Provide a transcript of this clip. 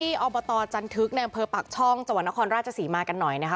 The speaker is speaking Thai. ที่อบตจันทึกในเผอร์ปากช่องจัวรณครราชศรีมากันหน่อยนะคะ